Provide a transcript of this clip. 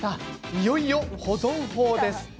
いよいよ保存法です。